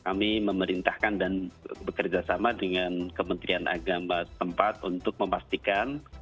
kami memerintahkan dan bekerjasama dengan kementerian agama tempat untuk memastikan